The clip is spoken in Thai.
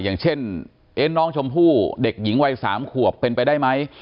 อย่างเช่นน้องชมพู่เด็กหญิงวัย๓ขวบเป็นไปได้ไหม